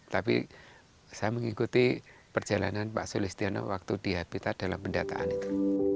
tapi saya mengikuti perjalanan pak sulistiono waktu di habitat dalam pendataan itu